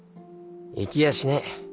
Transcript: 行きやしねえ。